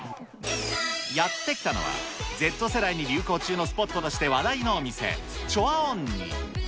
やって来たのはＺ世代に流行中のスポットとして話題のお店、チョアオンニ。